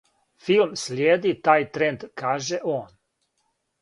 "Филм слиједи тај тренд," каже он."